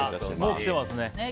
もう来てますね。